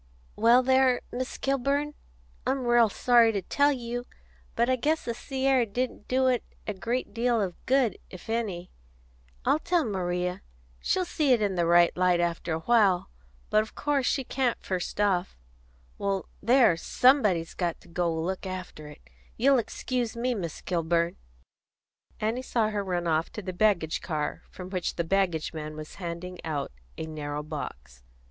"Well, there, Miss Kilburn, I'm ril sorry to tell you, but I guess the sea air didn't do it a great deal of good, if any. I tell Maria she'll see it in the right light after a while, but of course she can't, first off. Well, there! Somebody's got to look after it. You'll excuse me, Miss Kilburn." Annie saw her run off to the baggage car, from which the baggage man was handing out a narrow box.